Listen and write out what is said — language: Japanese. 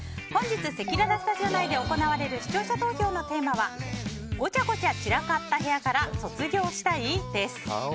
本日、せきららスタジオ内で行われる視聴者投票のテーマはごちゃごちゃ散らかった部屋から卒業したい？です。